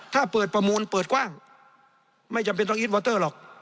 ถ้าเปิดประมูลเปิดกว้างไม่จำเป็นต้องอีทวอเตอร์หรอก